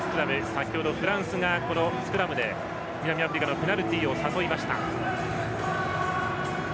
先程、フランスがスクラムで南アフリカのペナルティーを誘いました。